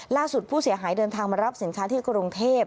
ผู้เสียหายเดินทางมารับสินค้าที่กรุงเทพ